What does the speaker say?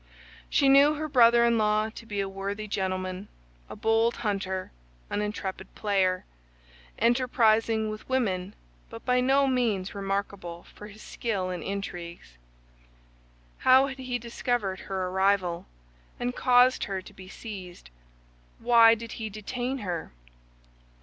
She knew her brother in law to be a worthy gentleman, a bold hunter, an intrepid player, enterprising with women, but by no means remarkable for his skill in intrigues. How had he discovered her arrival, and caused her to be seized? Why did he detain her?